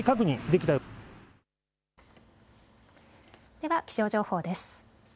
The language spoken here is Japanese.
では気象情報です。